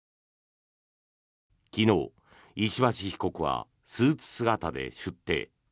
昨日石橋被告はスーツ姿で出廷。